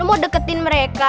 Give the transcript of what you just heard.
lo mau deketin mereka